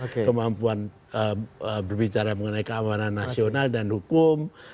kemampuan berbicara mengenai keamanan nasional dan hukum